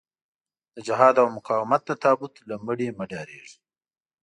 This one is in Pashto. د جهاد او مقاومت د تابوت له مړي مه ډارېږئ.